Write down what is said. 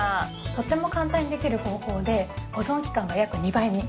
とても簡単にできる方法で保存期間が約２倍に。